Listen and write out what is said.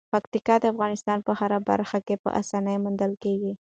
پکتیکا د افغانستان په هره برخه کې په اسانۍ موندل کېږي.